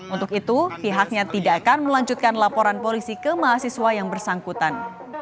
untuk itu pihaknya tidak akan melanjutkan laporan polisi ke mahasiswa yang bersangkutan